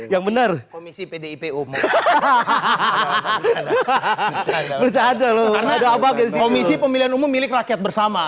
yang bener komisi pdip umum hahaha hahaha komisi pemilihan umum milik rakyat bersama